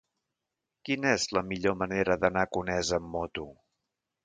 Quina és la millor manera d'anar a Conesa amb moto?